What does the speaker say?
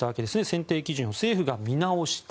選定基準を政府が見直した。